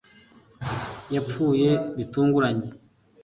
yapfuye bitunguranye